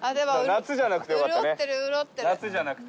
夏じゃなくて。